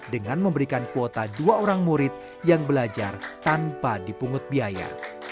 dengan memberikan kuota dua orang murid yang belajar tanpa dipungut biaya